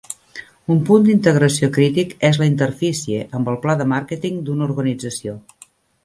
Un punt d'integració crític és la interfície amb el pla de màrqueting d'una organització.